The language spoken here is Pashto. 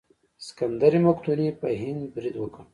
سکندر مقدوني په هند برید وکړ.